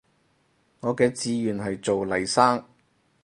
我嘅志願係做黎生